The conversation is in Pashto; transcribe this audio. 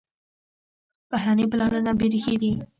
بهرني پلانونه بېریښې دي.